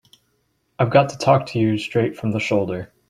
I've got to talk to you straight from the shoulder.